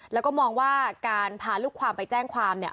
แล้วก็มองว่าการพาลูกความไปแจ้งความเนี่ย